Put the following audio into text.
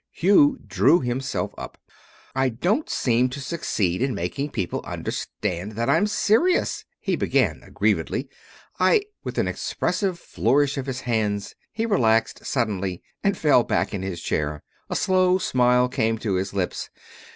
Hugh drew himself up. "I don't seem to succeed in making people understand that I'm serious," he began aggrievedly. "I " With an expressive flourish of his hands he relaxed suddenly, and fell back in his chair. A slow smile came to his lips.